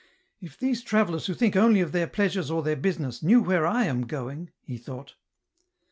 " If these travellers who think only of their pleasures or their business, knew where I am going," he thought.